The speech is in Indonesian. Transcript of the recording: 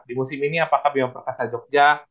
di musim ini apakah beau perkasa jogja